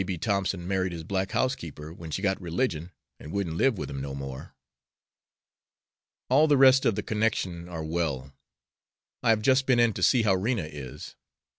B. Thompson married his black housekeeper when she got religion and wouldn't live with him no more. All the rest of the connection are well. I have just been in to see how Rena is.